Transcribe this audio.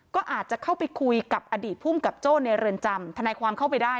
ก็อาจจะเข้าไปคุยกับอดีตภูมิกับโจ้ในเรือนจำทนายความเข้าไปได้